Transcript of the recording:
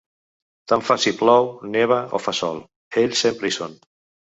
Tant fa si plou, neva o fa sol, ells sempre hi són.